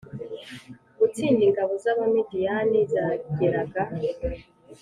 Gutsinda ingabo z abamidiyani zageraga